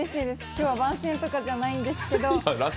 今日は番宣とかじゃないんですけど。